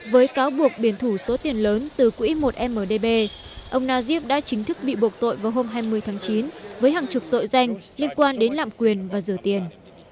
với cáo buộc biển thủ số tiền lớn từ quỹ một mdb ông najib đã chính thức bị buộc tội vào hôm hai mươi tháng chín với hàng chục tội danh liên quan đến lạm quyền và rửa tiền